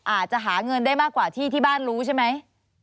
อาจจะหาเงินได้มากกว่าที่ที่บ้านรู้ใช่ไหม